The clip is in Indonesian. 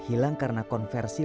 dia buat monjol yeah gitu